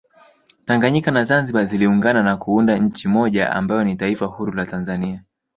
Tanganyika na zanzibar ziliungana na kuunda nchi moja ambayo ni taifa huru la Tanzania